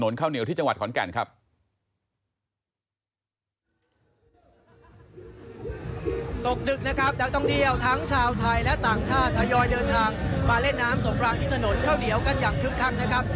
และต่างชาติทยอยเดินทางมาเล่นน้ำสกรางที่ถนนเข้าเหลียวกันอย่างคึกครั้งนะครับ